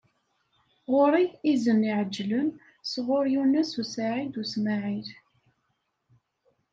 Ɣur-i izen iɛeǧlen sɣur Yunes u Saɛid u Smaɛil.